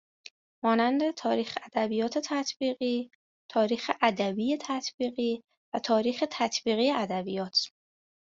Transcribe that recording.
مانند تاریخ ادبیات تطبیقی تاریخ ادبی تطبیقی و تاریخ تطبیقی ادبیات